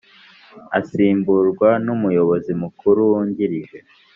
asimburwa n Umuyobozi Mukuru Wungirije